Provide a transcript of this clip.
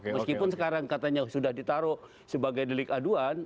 meskipun sekarang katanya sudah ditaruh sebagai delik aduan